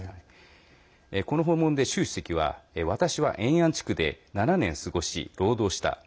この訪問で習主席は私は、延安地区で７年過ごし労働した。